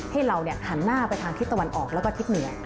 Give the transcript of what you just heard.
ให้เราหันหน้าไปทางทิศตะวันออกแล้วก็ทิศเหนือ